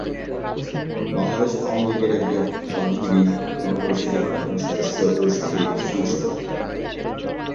বাংলাদেশ আওয়ামী লীগের একজন রাজনীতিবিদ, গণপরিষদের প্রাক্তন সদস্য ও সাবেক সাংসদ।